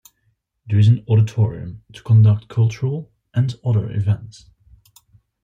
There is an auditorium to conduct cultural and other events.